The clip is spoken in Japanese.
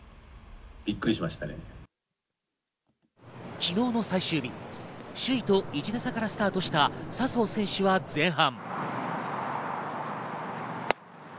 昨日の最終日、首位と１打差からスタートした笹生選手は前半。